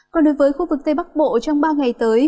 còn đối với khu vực tây bắc bộ trong ba ngày tới